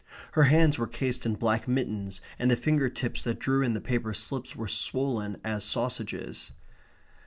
Her hands were cased in black mittens, and the finger tips that drew in the paper slips were swollen as sausages.